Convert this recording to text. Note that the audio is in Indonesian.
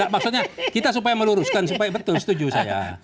maksudnya kita supaya meluruskan supaya betul setuju saya